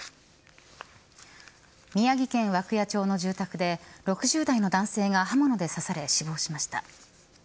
宮城県涌谷町の住宅で６０代の男性が刃物で刺され死亡しました。